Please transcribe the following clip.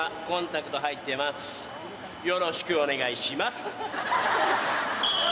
よろしくお願いします！